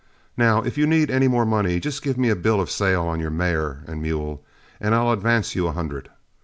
Now, if you need any more money, just give me a bill of sale of your mare and mule, and I'll advance you a hundred.